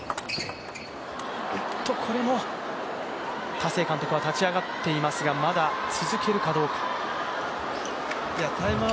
田勢監督は立ち上がっていますが、まだ続けるかどうか。